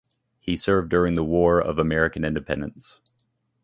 He served during the War of American Independence.